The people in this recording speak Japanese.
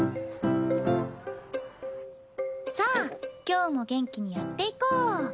さあ今日も元気にやっていこう！